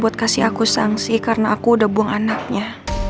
buat kasih aku sangsi karena aku udah buang anaknya